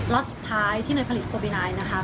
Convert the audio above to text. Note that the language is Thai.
ล็อตสุดท้ายที่ในผลิตโควินายนนะคะ